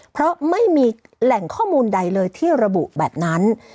เพราะไม่มีแหล่งข้อมูลใดเลยที่ระบุแบบนั้น